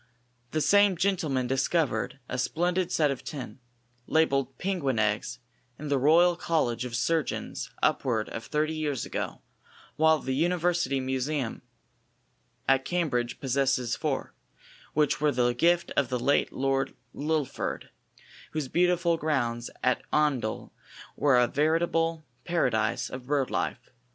The same gentleman discovered a splendid set of ten, labeled "penguin eggs," in the Royal College of Surgeons upward of thirty years ago, while the university museum at Cambridge possesses four, which were the gift of the late Lord Lilford, whose beautiful grounds at Oundle were a veritable paradise of bird life.